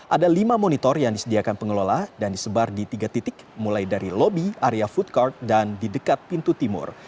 ada lima monitor yang disediakan pengelola dan disebar di tiga titik mulai dari lobby area food card dan di dekat pintu timur